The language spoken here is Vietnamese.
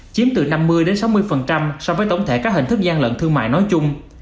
chiếm từ năm mươi sáu mươi so với tổng thể các hình thức gian lận thương mại nói chung